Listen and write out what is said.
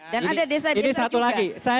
dan ada desa desa juga